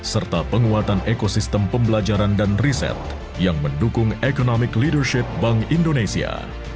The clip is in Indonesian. serta penguatan ekosistem pembelajaran dan riset yang mendukung economic leadership bank indonesia